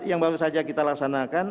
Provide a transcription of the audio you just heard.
yang baru saja kita laksanakan